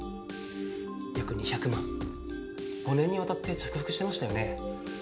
約２００万５年にわたって着服してましたよね？